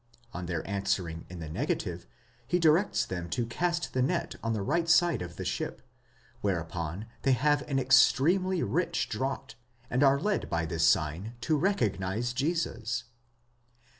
On their answering in the negative, he directs them to cast the net on the right side of the ship, whereupon they have an extremely rich draught, and are led by this sign to recognise Jesus.